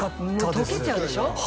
もう溶けちゃうでしょ？